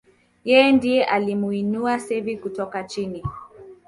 yeye ndiye alimwinua Xavi kutoka chini